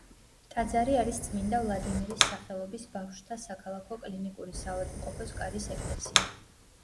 ტაძარი არის წმინდა ვლადიმირის სახელობის ბავშვთა საქალაქო კლინიკური საავადმყოფოს კარის ეკლესია.